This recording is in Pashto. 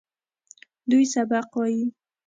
دوی سبق وايي.